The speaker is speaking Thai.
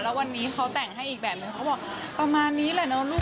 แล้ววันนี้เขาแต่งให้อีกแบบนึงเขาบอกประมาณนี้แหละเนอะลูก